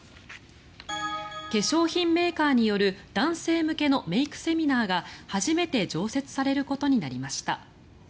化粧品メーカーによる男性向けのメイクセミナーが初めて常設されることになりました。